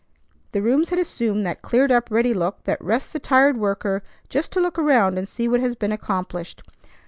The rooms had assumed that cleared up, ready look that rests the tired worker just to look around and see what has been accomplished.